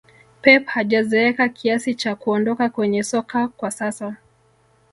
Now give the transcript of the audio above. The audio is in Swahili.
pep hajazeeka kiasi cha kuondoka kwenye soka kwa sasa